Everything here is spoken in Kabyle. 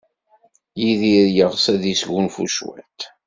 Yidir yeɣs ad yesgunfu cwiṭ.